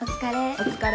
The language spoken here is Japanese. お疲れ。